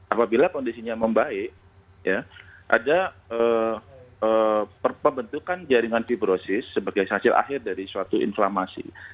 apabila kondisinya membaik ada perpebentukan jaringan fibrosis sebagai hasil akhir dari suatu inflamasi